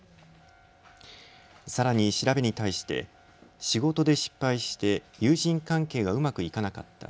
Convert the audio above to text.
さらに調べに対して仕事で失敗して友人関係がうまくいかなかった。